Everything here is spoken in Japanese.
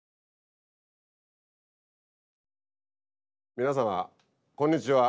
皆さまこんにちは。